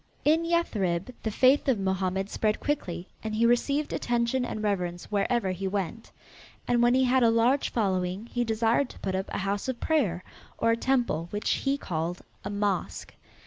In Yathrib the faith of Mohammed spread quickly and he received attention and reverence wherever he went. And when he had a large following he desired to put up a house of prayer, or a temple which he called a mosque.